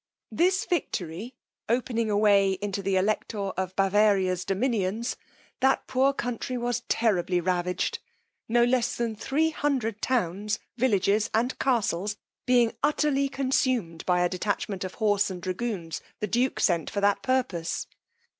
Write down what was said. This victory opening a way into the elector of Bavaria's dominions, that poor country was terribly ravaged, no less than 300 towns, villages and castles being utterly consumed by a detachment of horse and dragoons the duke sent for that purpose.